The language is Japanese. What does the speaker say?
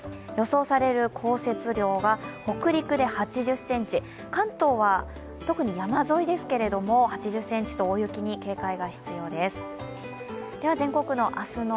予想される降雪量が北陸で８０ｃｍ、関東は特に山沿いで８０ｃｍと大雪に警戒が必要です。